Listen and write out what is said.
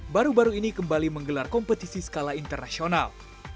baru baru ini kembali menggelar kompetisi skala internasional